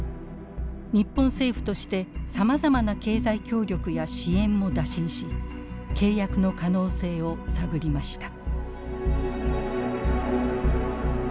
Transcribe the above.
日本政府としてさまざまな経済協力や支援も打診し契約の可能性を探りました。